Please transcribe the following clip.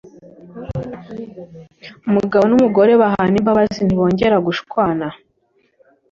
umugabo n’umugore bahana imbabazi ntibongera gushwana